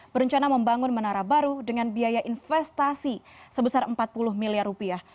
berencana membangun menara baru dengan biaya investasi sebesar empat puluh miliar rupiah